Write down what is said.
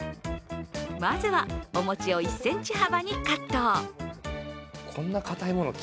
まずはお餅を１ｃｍ幅にカット。